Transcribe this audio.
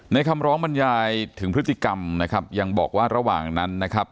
คำร้องบรรยายถึงพฤติกรรมนะครับยังบอกว่าระหว่างนั้นนะครับ